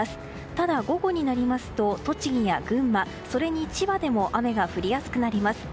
ただ、午後になりますと栃木や群馬、それに千葉でも雨が降りやすくなります。